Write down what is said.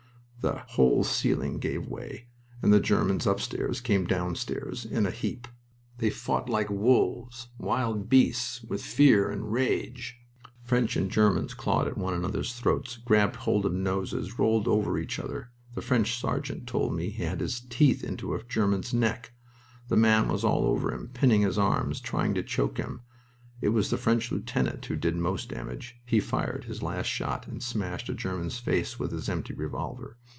The whole ceiling gave way, and the Germans upstairs came downstairs, in a heap. They fought like wolves wild beasts with fear and rage. French and Germans clawed at one another's throats, grabbed hold of noses, rolled over each other. The French sergeant told me he had his teeth into a German's neck. The man was all over him, pinning his arms, trying to choke him. It was the French lieutenant who did most damage. He fired his last shot and smashed a German's face with his empty revolver.